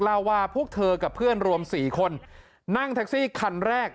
เล่าว่าพวกเธอกับเพื่อนรวม๔คนนั่งแท็กซี่คันแรก